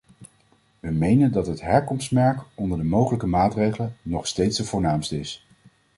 We menen dat het herkomstmerk, onder de mogelijke maatregelen, nog steeds de voornaamste is.